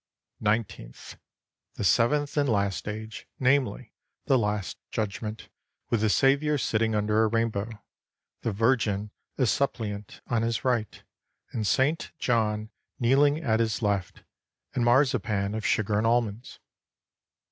Nineteenth The seventh and last age, namely, the Last Judgment, with the Saviour sitting under a rainbow. The Virgin, as suppliant, on his right, and St. John kneeling at his left, and marzipan of sugar and almonds.